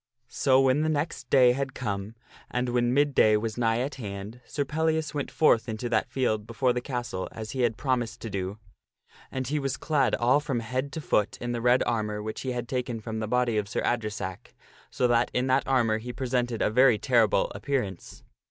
So when the next day had come, and when mid day was nigh at hand, Sir Pellias went forth into that field before the castle as he had promised SIX PELLIAS ENCOUNTERS THE GREEN KNIGHT 229 to do, and he was clad all from head to foot in the red armor which he had taken from the body of Sir Adresack, so that in that armor he presented a very terrible appearance.